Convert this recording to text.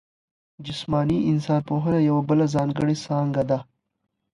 جسماني انسان پوهنه یوه بله ځانګړې څانګه ده.